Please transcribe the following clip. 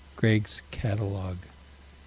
(Greg's Catalogue, _Rept.